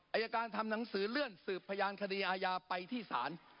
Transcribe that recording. อายการทำหนังสือเลื่อนสืบพยานคดีอาญาไปที่ศาล